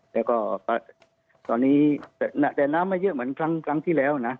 แล้วก็ตอนนี้แต่น้ำไม่เยอะเหมือนครั้งที่แล้วนะ